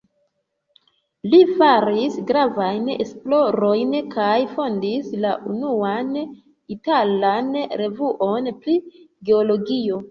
Li faris gravajn esplorojn kaj fondis la unuan italan revuon pri geologio.